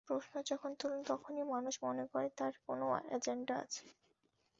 প্রশ্ন যখন তোলেন, তখনই মানুষ মনে করে তাঁর কোনো এজেন্ডা আছে।